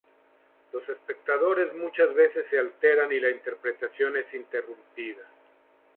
Los espectadores muchas veces se alteran y la interpretación es interrumpida.